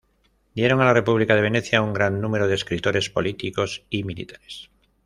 Dieron a la República de Venecia un gran número de escritores, políticos y militares.